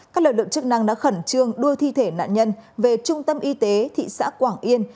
các lực lượng chức năng đã khẩn trương đua thi thể nạn nhân về trung tâm y tế thị xã quảng yên